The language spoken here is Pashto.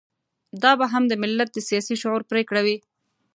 دا به هم د ملت د سياسي شعور پرېکړه وي.